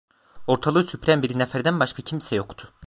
Ortalığı süpüren bir neferden başka kimse yoktu…